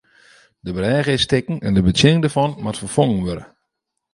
De brêge is stikken en de betsjinning dêrfan moat ferfongen wurde.